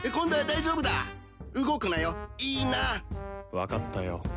分かったよ。